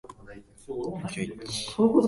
今日はまとめて洗濯します